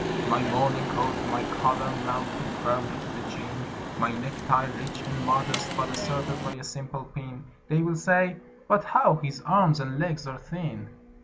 "] My morning coat, my collar mounting firmly to the chin, My necktie rich and modest, but asserted by a simple pin [They will say: "But how his arms and legs are thin!"